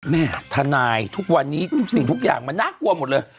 แม่ทนายทุกวันนี้ทุกสิ่งทุกอย่างมันน่ากลัวหมดเลย